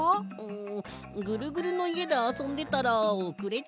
んぐるぐるのいえであそんでたらおくれちゃった。